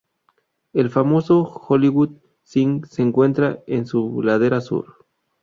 El famoso Hollywood Sign se encuentra en su ladera sur.